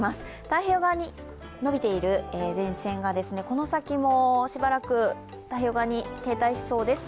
太平洋側に延びている前線がこの先もしばらく太平洋側に停滞しそうです。